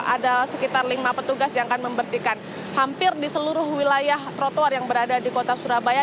ada sekitar lima petugas yang akan membersihkan hampir di seluruh wilayah trotoar yang berada di kota surabaya